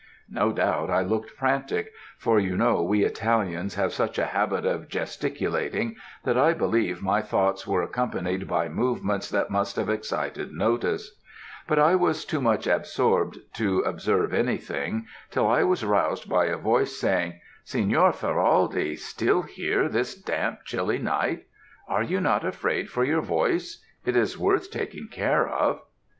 No doubt I looked frantic; for you know we Italians have such a habit of gesticulating, that I believe my thoughts were accompanied by movements that must have excited notice; but I was too much absorbed to observe anything, till I was roused by a voice saying, 'Signor Ferraldi, still here this damp chilly night! Are you not afraid for your voice it is worth taking care of.'